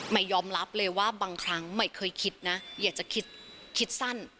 ยอมรับเลยว่าบางครั้งไม่เคยคิดนะอยากจะคิดสั้น